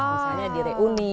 misalnya di reuni